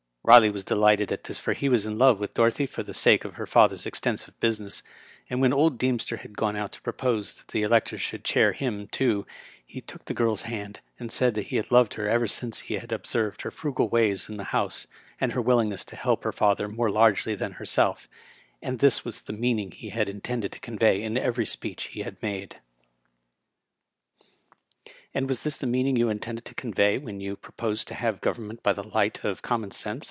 Riley was delighted at this, for he was in love with Dorothy for the sake of her father's extensive business ; and when old Deemster had gone out to propose that the electors should chair him, too, he took the girl's hand, and said he had loved her ever since he had observed her frugal ways in the house, and her willingness to help her father more largely than herself; and this was the mean ing he had intended to convey in every speech he had made. " And was this the meaning you intended to convey when you proposed to have government by the light of common sense